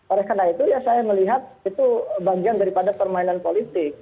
oleh karena itu ya saya melihat itu bagian daripada permainan politik